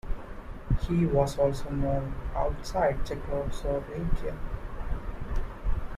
He was also known outside Czechoslovakia.